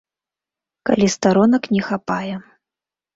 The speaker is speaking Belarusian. Калі старонак не хапае.